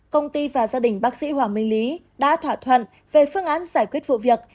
công ty và gia đình bác sĩ hoàng minh lý đã thỏa thuận về phương án giải quyết vụ việc